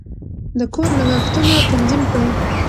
د کور لګښتونه تنظیم کړئ.